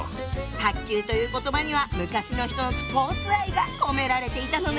「卓球」という言葉には昔の人のスポーツ愛が込められていたのね。